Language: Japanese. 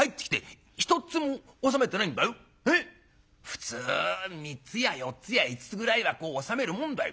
普通３つや４つや５つぐらいはこう納めるもんだよ。